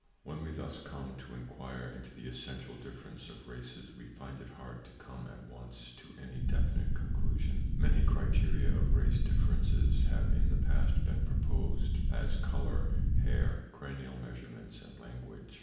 [Pg 6]When we thus come to inquire into the essential difference of races we find it hard to come at once to any definite conclusion. Many criteria of race differences have in the past been proposed, as color, hair, cranial measurements and language.